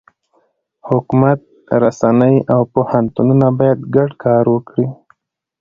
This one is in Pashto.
حکومت، رسنۍ، او پوهنتونونه باید ګډ کار وکړي.